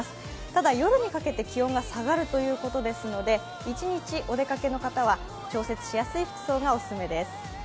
ただ、夜にかけて気温が下がるということですので一日お出かけの方は調節しやすい服装がオススメです。